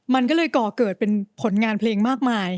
มันก็เลยก่อเกิดเป็นผลงานเพลงมากมาย